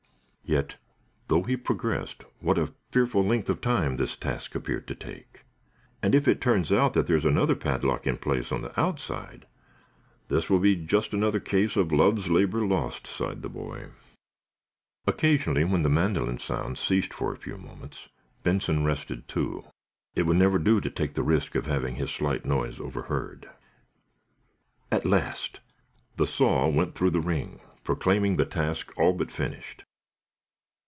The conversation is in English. Yet, though he progressed, what a fearful length of time this task appeared to take! "And, if it turns out that there's another padlock in place on the outside, this will be just another case of love's labor lose," sighed the boy. Occasionally, when the mandolin sounds ceased for a few moments, Benson rested, too. It would never do to take the risk of having his slight noise overheard. At last! The saw went through the ring, proclaiming the task all but finished.